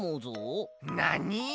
なに？